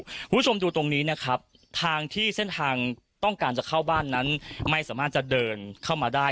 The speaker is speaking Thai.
คุณผู้ชมดูตรงนี้นะครับทางที่เส้นทางต้องการจะเข้าบ้านนั้นไม่สามารถจะเดินเข้ามาได้